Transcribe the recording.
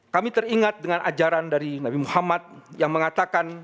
kami teringat dengan ajaran dari nabi muhammad yang mengatakan